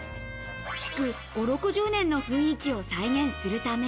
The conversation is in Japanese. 築５０６０年の雰囲気を再現するため。